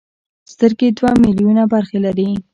سترګې دوه ملیونه برخې لري.